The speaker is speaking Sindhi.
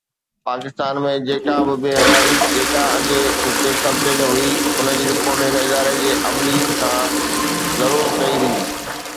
پاڪستان ۾ جيڪا به بي حيائي، جيڪا اڳي هتي قبضي ۾ هئي، ان جي رپورٽ هن اداري جي عملي کان ضرور ڪئي ويندي.